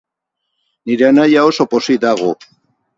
Nire anaia oso pozik dago.